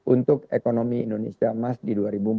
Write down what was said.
untuk ekonomi indonesia emas di dua ribu empat puluh